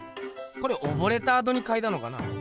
これ溺れたあとにかいたのかな？